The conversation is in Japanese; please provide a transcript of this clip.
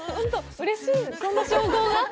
うれしい、そんな称号が？